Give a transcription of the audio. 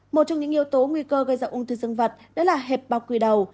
một trong những yếu tố nguy cơ gây ra ung thư dân vật đó là hẹp bao quy đầu